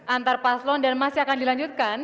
antar paslon dan masih akan dilanjutkan